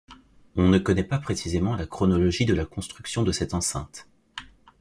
On ne connait pas précisément la chronologie de la construction de cette enceinte.